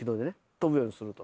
飛ぶようにすると。